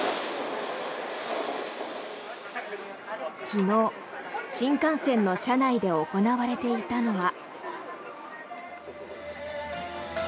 昨日、新幹線の車内で行われていたのは。